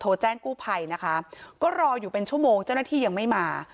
แจ้งกู้ภัยนะคะก็รออยู่เป็นชั่วโมงเจ้าหน้าที่ยังไม่มา